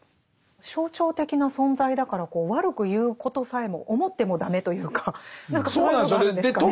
象徴的な存在だから悪く言うことさえも思っても駄目というか何かそういうのがあるんですかね。